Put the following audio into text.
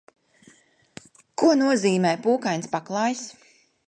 Ko nozīmē pūkains paklājs?